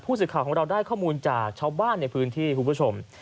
สื่อข่าวของเราได้ข้อมูลจากชาวบ้านในพื้นที่คุณผู้ชม